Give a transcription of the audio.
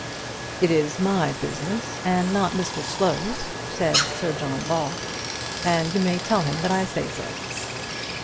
"It is my business and not Mr Slow's," said Sir John Ball, "and you may tell him that I say so."